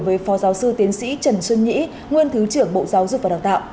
với phó giáo sư tiến sĩ trần xuân nhị nguyên thứ trưởng bộ giáo dục và đào tạo